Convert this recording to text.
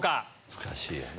難しいよね。